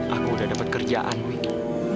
aku udah dapat kerjaan wing